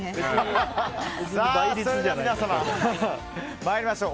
それでは皆様、参りましょう。